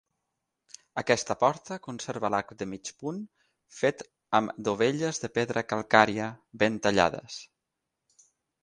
Aquesta porta conserva l'arc de mig punt fet amb dovelles de pedra calcària, ben tallades.